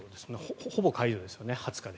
ほぼ解除ですよね、２０日で。